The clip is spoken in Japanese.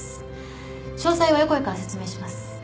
詳細は横井から説明します。